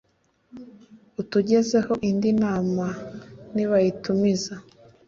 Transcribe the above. utugezeho indi nama ni bayitumiza